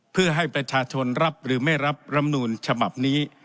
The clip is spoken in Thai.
เพื่อให้ประชาชนรับหรือไม่รับรำนูลฉบับนี้